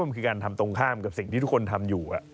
มันคือการทำตรงข้ามกับสิ่งที่ทุกคนทำอยู่